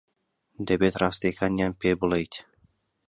دەبێت ڕاستییەکانیان پێ بڵێیت.